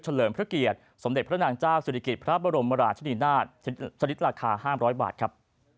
เลิมพระเกียรติสมเด็จพระนางเจ้าศิริกิจพระบรมราชนีนาฏชนิดราคา๕๐๐บาทครับ